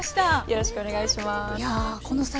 よろしくお願いします。